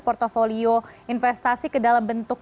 portfolio investasi ke dalam bentuk